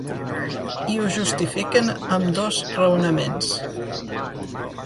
Hi ho justifiquen amb dos raonaments.